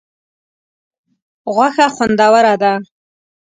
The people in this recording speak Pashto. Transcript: غوښه خوندوره ده.